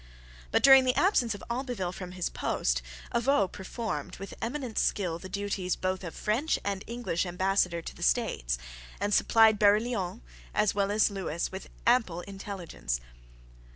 But, during the absence of Albeville from his post, Avaux performed, with eminent skill, the duties both of French and English Ambassador to the States, and supplied Barillon as well as Lewis with ample intelligence.